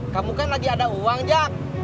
kamu kan lagi ada uang jak